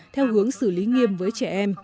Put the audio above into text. theo hướng xử lý nghiêm với trẻ em